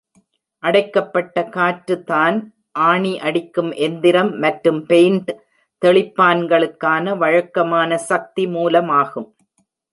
அடைக்கப்பட்ட காற்று தான் ஆணி அடிக்கும் எந்திரம் மற்றும் பெயிண்ட் தெளிப்பான்களுக்கான வழக்கமான சக்தி மூலமாகும்.